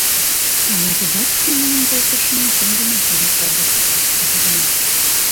Ала тудат кумылым волтышо мутым гына каласа да тупынь савырна?